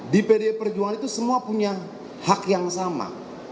di pdi perjuangan itu semua punya hak yang sama